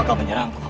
apa kau menyerangku